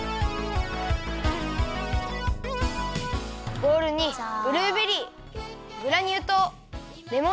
ボウルにブルーベリーグラニューとうレモン